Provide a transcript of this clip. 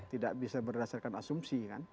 tidak bisa berdasarkan asumsi kan